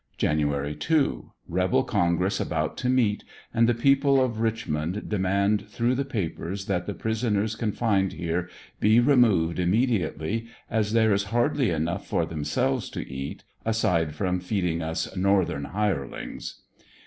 Jan. 2. — Rebel congress about to meet, and the people of Rich mond demand through the papers that the prisoners confined here be removed immediately, as there is hardly enough for themselves to eat, aside from feeding us ''Northern Hirelings."